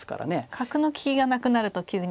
角の利きがなくなると急に。